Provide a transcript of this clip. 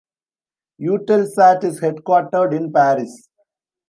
Eutelsat is headquartered in Paris.